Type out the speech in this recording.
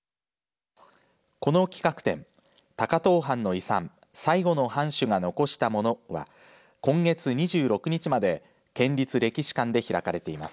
この企画展高遠藩の遺産最後の藩主が残したものは今月２６日まで県立歴史館で開かれています。